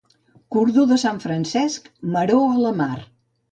Cordó de Sant Francesc, maror a la mar.